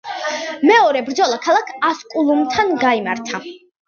მეორე ბრძოლა ქალაქ ასკულუმთან გაიმართა.